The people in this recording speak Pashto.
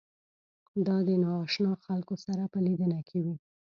دا د نااشنا خلکو سره په لیدنه کې وي.